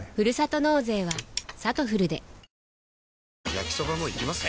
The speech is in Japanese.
焼きソバもいきます？